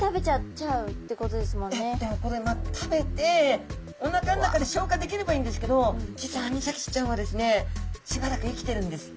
でもこれ食べておなかの中で消化できればいいんですけど実はアニサキスちゃんはですねしばらく生きてるんです。